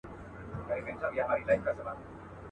د غرمې پر مهال ږغ د نغارو سو.